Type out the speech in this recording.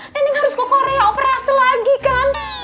nending harus ke korea operasi lagi kan